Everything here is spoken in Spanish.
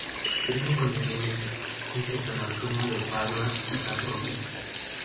Virgen con el Niño, entre San Antonio de Padua y San Roque